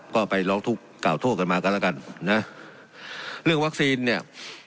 ก็ไปร้องทุกข์กล่าวโทษกันมากันแล้วกันนะเรื่องวัคซีนเนี่ย